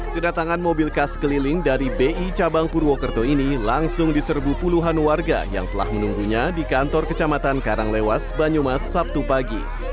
kedatangan mobil khas keliling dari bi cabang purwokerto ini langsung diserbu puluhan warga yang telah menunggunya di kantor kecamatan karanglewas banyumas sabtu pagi